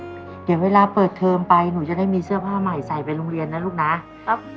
เดี๋ยวเวลาเปิดเทอมไปหนูจะได้มีเสื้อผ้าใหม่ใส่ไปโรงเรียนนะลูกนะครับ